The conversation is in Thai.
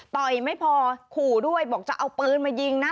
ต่อยไม่พอขู่ด้วยบอกจะเอาปืนมายิงนะ